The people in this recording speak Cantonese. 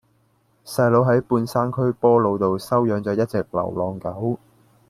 細佬喺半山區波老道收養左一隻流浪狗